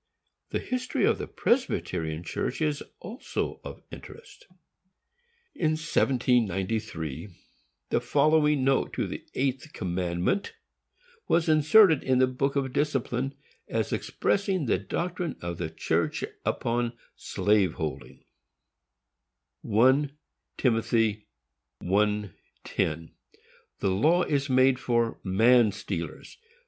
The history of the Presbyterian Church is also of interest. In 1793, the following note to the eighth commandment was inserted in the Book of Discipline, as expressing the doctrine of the church upon slave holding: 1 Tim. 1:10. The law is made for MAN STEALERS.